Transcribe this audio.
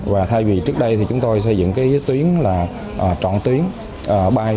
và thay vì trước đây chúng tôi xây dựng tuyến trọn tuyến bay